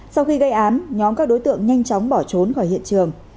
sau khi gây án nhóm các đối tượng nhanh chóng bỏ trốn khỏi hiện trường